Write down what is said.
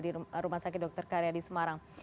di rumah sakit dr karyadi semarang